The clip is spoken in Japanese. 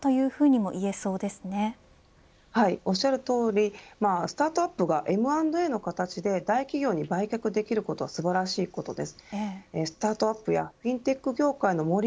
はい、おっしゃるとおりスタートアップがＭ＆Ａの形で大企業にバイアウトできるのは素晴らしいことです。